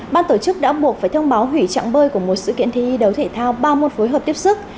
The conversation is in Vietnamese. ban tổ chức đã buộc phải thông báo hủy trạng bơi của một sự kiện thi đấu thể thao ba môn phối hợp tiếp sức